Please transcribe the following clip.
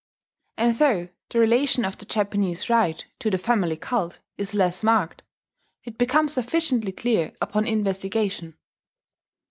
And though the relation of the Japanese rite to the family cult is less marked, it becomes sufficiently clear upon investigation.